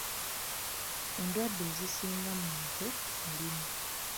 Endwadde ezisinga mu nte mulimu: